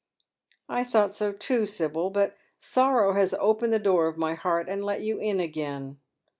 " I thought so too, Sibyl ; but sorrow has opened the door of my heart and let you in again."